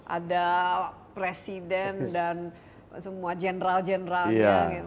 ada presiden dan semua general general